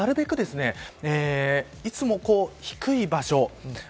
車もなるべくいつも低い場所